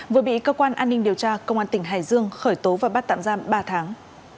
vừa bị cơ quan an ninh điều tra công an tỉnh hải dương khởi tố và bắt tạm giam ba tháng